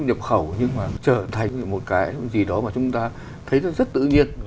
kiến trúc nhập khẩu nhưng mà trở thành một cái gì đó mà chúng ta thấy rất tự nhiên